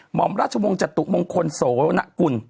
หมอมราชวงศ์จตุมงคลโสนกุล